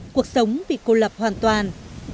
cuộc sống bị cô lập hoàn toàn